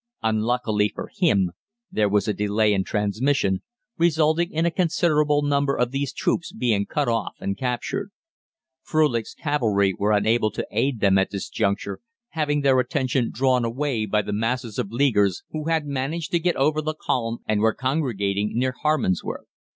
Unluckily for him, there was a delay in transmission, resulting in a considerable number of these troops being cut off and captured. Frölich's cavalry were unable to aid them at this juncture, having their attention drawn away by the masses of 'Leaguers' who had managed to get over the Colne and were congregating near Harmondsworth.